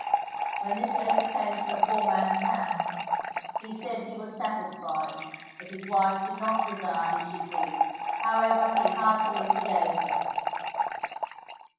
When this letter came to the poor man's hand he said he was satisfied that his wife did not desire he should live, however he heartily forgave her.